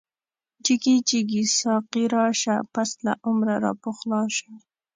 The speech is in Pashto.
جگی جگی ساقی راشه، پس له عمره را پخلاشه